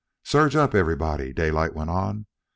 "Surge up, everybody!" Daylight went on.